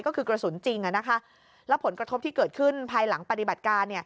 ก็คือกระสุนจริงแล้วผลกระทบที่เกิดขึ้นภายหลังปฏิบัติการ